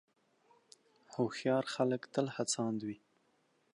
هوښیار خلک تل هڅاند وي.